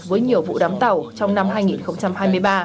với nhiều vụ đám tàu trong năm hai nghìn hai mươi ba